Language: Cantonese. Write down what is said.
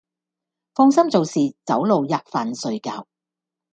放心做事走路喫飯睡覺，